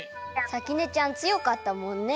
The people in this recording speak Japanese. さきねちゃんつよかったもんね。